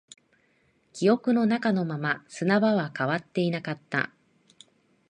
記憶の中のまま、砂場は変わっていなかった